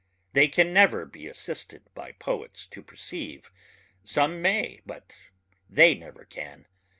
They can never be assisted by poets to perceive ... some may but they never can.